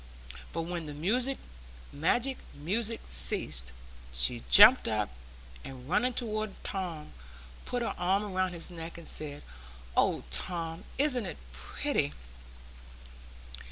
But when the magic music ceased, she jumped up, and running toward Tom, put her arm round his neck and said, "Oh, Tom, isn't it pretty?"